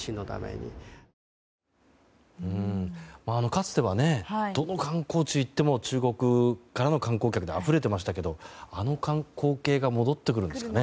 かつてはどの観光地に行っても中国からの観光客であふれていましたけどあの光景が戻ってくるんですかね。